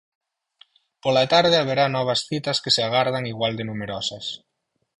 Pola tarde haberá novas citas que se agardan igual de numerosas.